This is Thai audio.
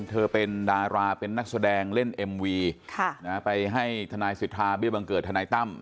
เธอเป็นดาราเป็นนักแสดงเล่นเอ็มวีไปให้ทนายสิทธาเบี้ยบังเกิดทนายตั้ม